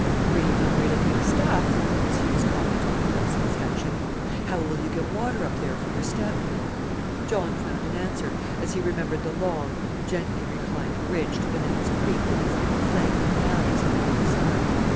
"Pretty hungry looking stuff," was Hugh's comment on close inspection. "How will you get water up there for your stamp mill?" John found an answer, as he remembered the long, gently reclining ridge to Bonanza Creek with its flanking valleys on either side.